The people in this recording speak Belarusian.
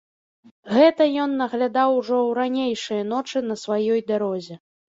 Гэта ён наглядаў ужо ў ранейшыя ночы на сваёй дарозе.